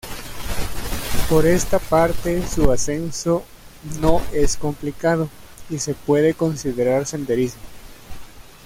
Por esta parte su ascenso no es complicado, y se puede considerar senderismo.